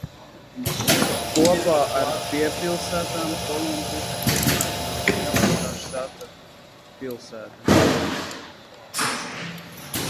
Kopā ar piepilsētām Kolumbusa tomēr nav lielākā štata pilsēta.